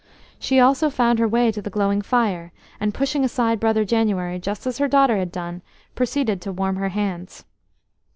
She also found her way to the glowing fire, and pushing aside Brother January just as her daughter had done, proceeded to warm her hands.